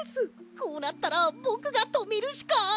こうなったらぼくがとめるしか。